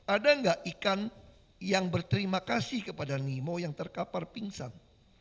ada nggak ikan yang berterima kasih kepada nemo yang terkapar pingsan